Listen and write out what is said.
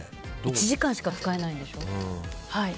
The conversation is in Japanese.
１時間しか使えないんでしょ？